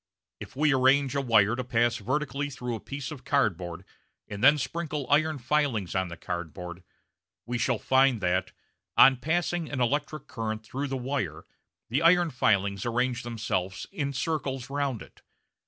If we arrange a wire to pass vertically through a piece of cardboard and then sprinkle iron filings on the cardboard we shall find that, on passing an electric current through the wire, the iron filings arrange themselves in circles round it.